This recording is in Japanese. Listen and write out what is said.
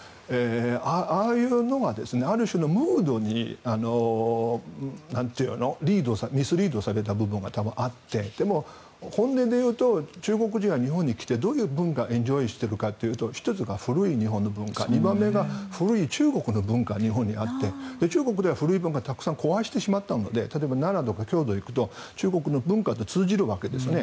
ああいうのがある種のムードにミスリードされた部分が多分あって本音でいうと中国人が日本に来てどういう文化をエンジョイしているかというと１つが古い日本の文化２番目が古い中国の文化が日本にあって中国では古い文化たくさん壊してしまったので例えば奈良とか京都に行くと中国の文化と通じるわけですよね。